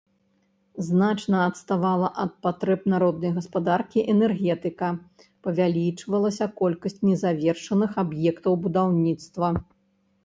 Значна адставала ад патрэб народнай гаспадаркі энергетыка, павялічвалася колькасць незавершаных аб'ектаў будаўніцтва.